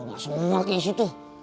gak semua keisi tuh